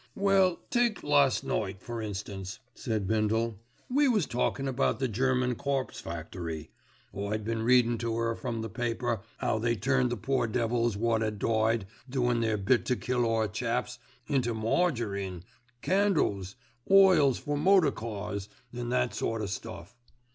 "Well, take last night, for instance," said Bindle. "We was talkin' about the German Corpse Factory. I'd been readin' to 'er from the paper 'ow they turned the poor devils wot 'ad died doin' their bit to kill our chaps into marjarine, candles, oils for motor cars, and that sort o' stuff.